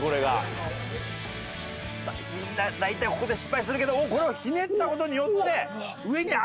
みんな大体ここで失敗するけどこれはひねった事によって上に上がらず。